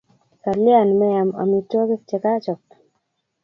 Kalya mean amitwogik che kachop?